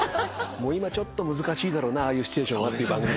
今ちょっと難しいだろうなああいうシチュエーションはって番組。